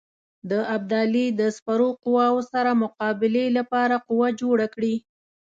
د ابدالي د سپرو قواوو سره مقابلې لپاره قوه جوړه کړي.